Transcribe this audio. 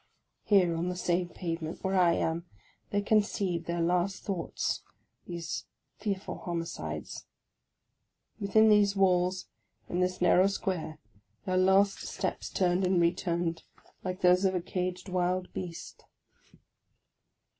Here, on the same pavement where I am, they conceived their last thoughts, — these fearful homicides ! Within these walls, in this nar row square, their last steps turned and re turned, like those of a caged wild beast.